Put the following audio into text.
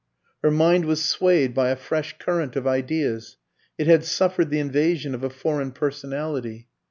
Her mind was swayed by a fresh current of ideas; it had suffered the invasion of a foreign personality.